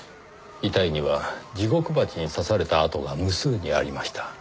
遺体にはジゴクバチに刺された痕が無数にありました。